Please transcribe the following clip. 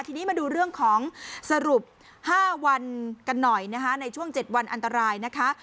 ทีนี้มาดูเรื่องของสรุป๕วันกันหน่อยนะคะในช่วง๗วันอันตรายนะคะ